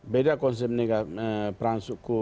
beda konsep perang suku